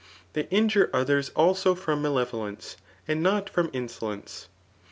They injure others also from malevolence^ and not frY>m licence.